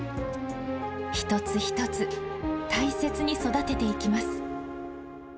一つ一つ、大切に育てていきます。